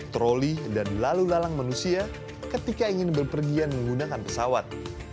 troli dan lalu lalang manusia ketika ingin berpergian menggunakan pesawat